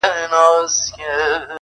نن هغه ماشه د ورور پر لور كشېږي-